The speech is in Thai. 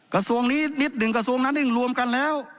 กระทรวงนี้นิดหนึ่งกระทรวงนั้นเองรวมกันแล้ว